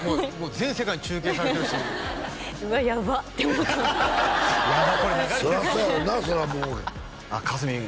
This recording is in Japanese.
全世界に中継されてるしうわやばって思ってやばこれ流れてるかもそりゃそうやろうなそりゃもうかすみん